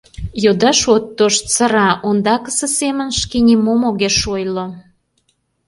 Йодаш от тошт — сыра, ондаксе семын шке нимом огеш ойло.